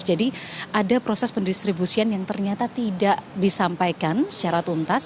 jadi ada proses pendistribusian yang ternyata tidak disampaikan secara tuntas